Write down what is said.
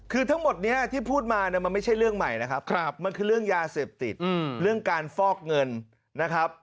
คือทั้งหมดนี้ที่พูดมาเนี่ยมันไม่ใช่เรื่องใหม่นะครับมันคือเรื่องยาเสพติดเรื่องการฟอกเงินนะครับ